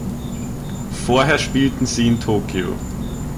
Vorher spielten sie in Tokio.